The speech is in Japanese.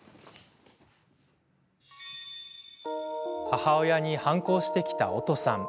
母親に反抗してきた、おとさん。